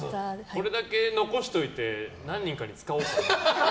これだけ残しておいて何人かに使おうか。